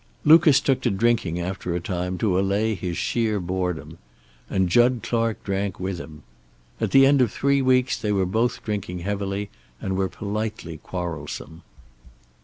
Lucas took to drinking, after a time, to allay his sheer boredom. And Jud Clark drank with him. At the end of three weeks they were both drinking heavily, and were politely quarrelsome.